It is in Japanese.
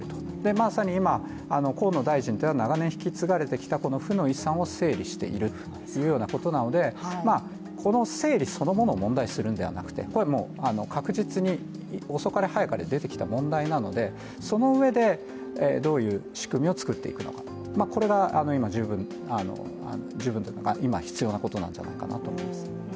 まさに今、河野大臣は長年引き継がれてきた負の遺産を整理しているところなので、この整理そのものを問題視するのではなくて、確実に遅かれ早かれ出てきた問題なのでそのうえで、どういう仕組みを作っていくのかと、これが今、必要なことなんじゃないかと思います。